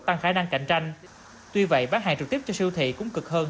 tăng khả năng cạnh tranh tuy vậy bán hàng trực tiếp cho siêu thị cũng cực hơn